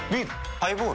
ハイボール？